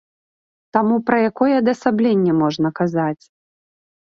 Таму пра якое адасабленне можна казаць?